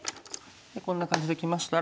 こんな感じできましたら。